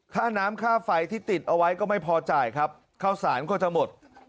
ค่าน้ำค่าไฟที่ติดเอาไว้ก็ไม่พอจ่ายครับข้าวสารก็จะหมด